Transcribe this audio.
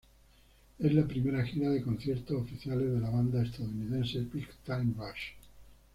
Es la primera gira de conciertos oficial de la banda estadounidense Big Time Rush.